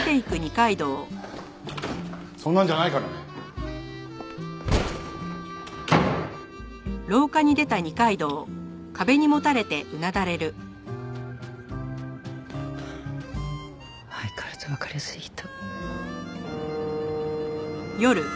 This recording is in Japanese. そんなんじゃないからね！はあ相変わらずわかりやすい人。